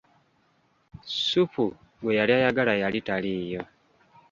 Ssupu gwe yali ayagala yali taliyo.